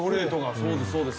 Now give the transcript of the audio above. そうですそうです。